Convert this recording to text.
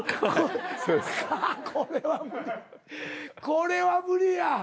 これは無理や。